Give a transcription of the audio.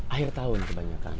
akhir tahun kebanyakan